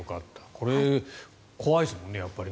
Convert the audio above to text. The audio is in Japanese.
これ、怖いですもんね。